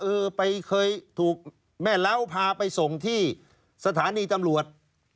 เออไปเคยถูกแม่เล้าพาไปส่งที่สถานีตำรวจ